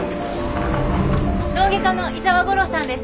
脳外科の伊沢吾良さんです。